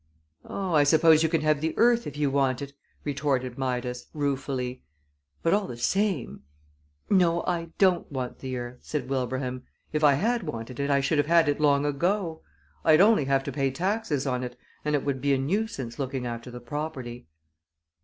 "Oh, I suppose you can have the earth if you want it," retorted Midas, ruefully. "But all the same " "No, I don't want the earth," said Wilbraham. "If I had wanted it I should have had it long ago. I'd only have to pay taxes on it, and it would be a nuisance looking after the property."